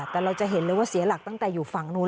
แต่เราจะเห็นเลยว่าเสียหลักตั้งแต่อยู่ฝั่งนู้น